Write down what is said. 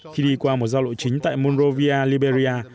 khi đi qua một giao lộ chính tại monrovia liberia